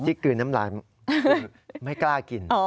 ชิคกรีย์น้ำหลายไม่กล้ากิน